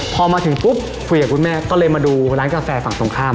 พอมาถึงปุ๊บคุยกับคุณแม่ก็เลยมาดูร้านกาแฟฝั่งตรงข้าม